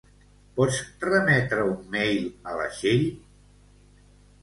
Pots remetre un mail a la Txell?